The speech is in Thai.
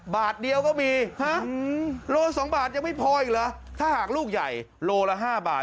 บาทเดียวก็มีฮะโล๒บาทยังไม่พออีกเหรอถ้าหากลูกใหญ่โลละ๕บาท